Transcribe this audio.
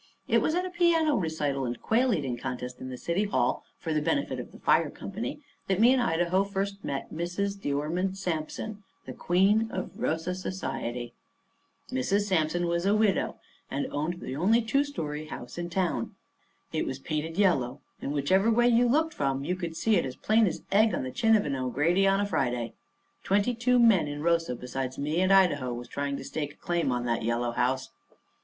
It was at a piano recital and quail eating contest in the city hall, for the benefit of the fire company, that me and Idaho first met Mrs. De Ormond Sampson, the queen of Rosa society. Mrs. Sampson was a widow, and owned the only two story house in town. It was painted yellow, and whichever way you looked from you could see it as plain as egg on the chin of an O'Grady on a Friday. Twenty two men in Rosa besides me and Idaho was trying to stake a claim on that yellow house.